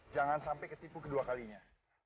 jangan sampai ketipu kedua kalinya